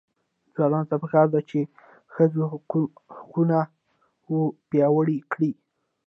ځوانانو ته پکار ده چې، ښځو حقونه وپیاوړي کړي.